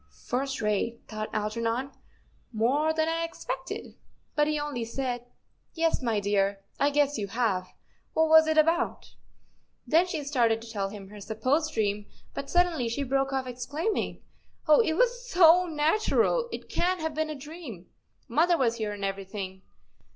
"First rate," thought Algernon; "more than I expected." But he only said: "Yes, my dear, I guess you have. What was it about ?" Then she started to tell him her supposed dream, but suddenly she broke off, exclaiming, " Oh, it was so natural, it can't have been a dream. Mother was here and everything.